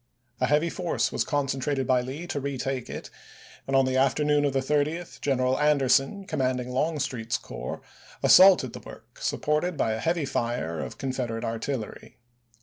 A heavy force was concentrated by Lee to retake la*. it, and on the afternoon of the 30th General An derson, commanding Longstreet's Corps, assaulted the work, supported by a heavy fire of Confederate artillery.